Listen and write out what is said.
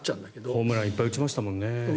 ホームランいっぱい打ちましたもんね。